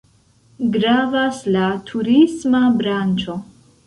Gravas la turisma branĉo.